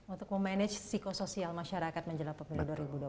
untuk memanage psikosoial masyarakat menjelang pemilu dua ribu dua puluh empat